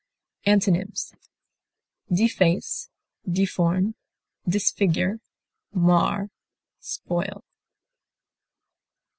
Antonyms: deface, deform, disfigure, mar, spoil.